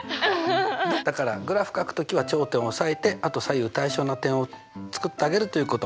だからグラフかく時は頂点を押さえてあと左右対称な点を作ってあげるということねっ。